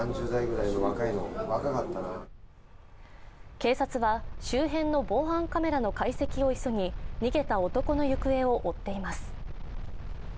警察は周辺の防犯カメラの解析を急ぎ、逃げた男の行方を追っています。